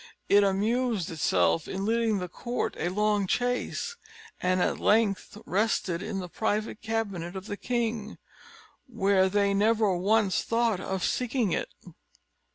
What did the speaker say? It amused itself in leading the court a long chase, and at length rested in the private cabinet of the king, where they never once thought of seeking it.